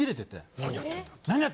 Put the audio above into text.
何やってんだって。